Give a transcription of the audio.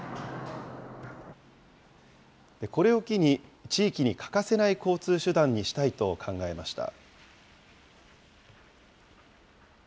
これを機に、地域に欠かせない交通手段にしたいと考えました。